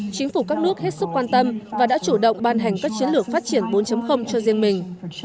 chính phủ các nước hết sức quan tâm và đã chủ động ban hành các chiến lược phát triển bốn cho riêng mình